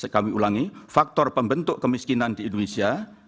kami ulangi faktor pembentuk kemiskinan di indonesia